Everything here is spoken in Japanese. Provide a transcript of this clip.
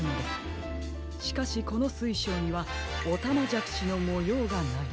しかしこのすいしょうにはおたまじゃくしのもようがない。